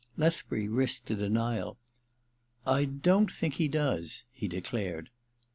Lethbury risked a denial. *I don't think he does,' he declared.